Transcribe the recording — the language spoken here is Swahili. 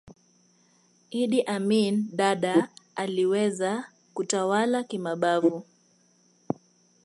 idd amin dada aliweza kutawala kimabavu